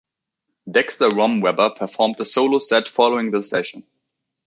Dexter Romweber performed a solo set following the session.